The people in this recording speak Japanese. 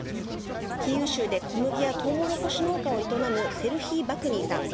キーウ州で小麦やトウモロコシ農家を営むセルヒー・バクニーさん。